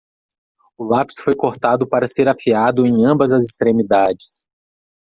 O lápis foi cortado para ser afiado em ambas as extremidades.